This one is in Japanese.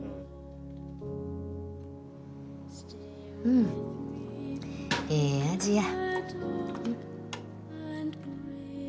うんええ味や。